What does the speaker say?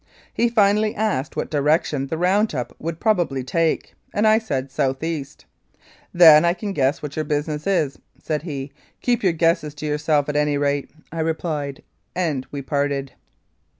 He finally asked what direction the round up would prob ably take, and I said, "South east." "Then I can guess what your business is," said he. "Keep your guesses to yourself, at any rate," I replied, and we parted.